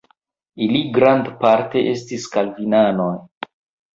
Ili grandparte estis kalvinanoj.